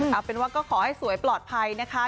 เอาเป็นว่าก็ขอให้สวยปลอดภัยนะคะ